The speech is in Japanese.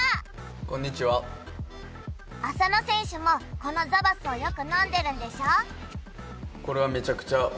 こんにちは浅野選手もこのザバスをよく飲んでるんでしょ？